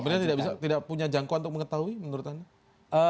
pemerintah tidak bisa tidak punya jangkauan untuk mengetahui menurut anda